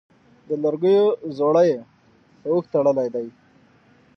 د لرګيو ځوړی يې په واښ تړلی دی